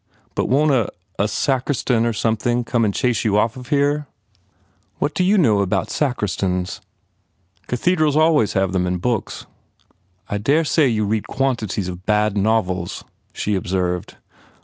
But won t a a sacristan or something come an chase you off of here?" "What do you know about sacristans?" "Cathedrals always have sacristans in books." "I dare say you read quantities of bad novels," she observed.